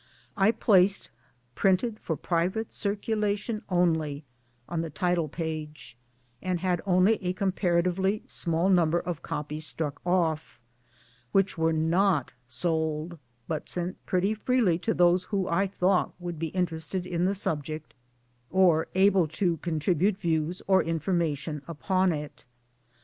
I placed " printed for private circulation only " on the Title page, and had only a comparatively small number of copies struck off which were not sold but sent round pretty freely to those who I thought would be interested in the subject or able to contribute views or information upon it.